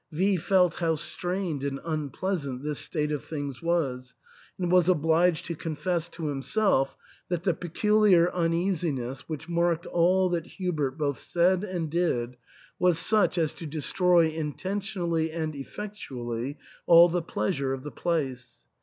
V felt how strained and unpleasant this state of things was, and was obliged to confess to himself that the peculiar uneasiness which marked all that Hubert both said and did was such as to destroy intentionally and effectually all the pleasure of the place.